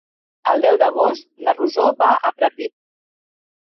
El deu d'agost na Rosó va a Pratdip.